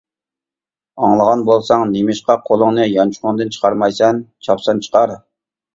-ئاڭلىغان بولساڭ نېمىشقا قولۇڭنى يانچۇقۇڭدىن چىقارمايسەن؟ چاپسان چىقار!